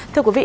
thưa quý vị